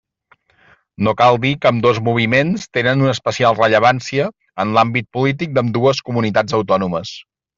No cal dir que ambdós moviments tenen una especial rellevància en l'àmbit polític d'ambdues comunitats autònomes.